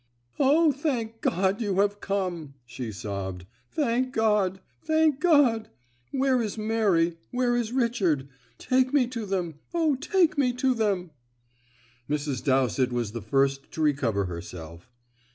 "O, thank God, you have come!" she sobbed; "thank God! thank God! Where is Mary? Where is Richard? Take me to them! O, take me to them!" Mrs. Dowsett was the first to recover herself.